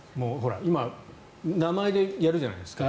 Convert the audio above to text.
今、名前でやるじゃないですか。